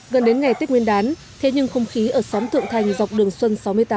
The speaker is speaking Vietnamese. gần đến ngày tết nguyên đán thế nhưng không khí ở xóm thượng thành dọc đường xuân sáu mươi tám